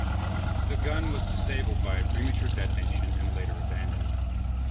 The gun was disabled by a premature detonation and later abandoned.